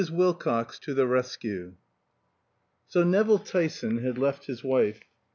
WILCOX TO THE RESCUE So Nevill Tyson had left his wife.